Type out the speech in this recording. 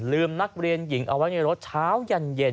นักเรียนหญิงเอาไว้ในรถเช้ายันเย็น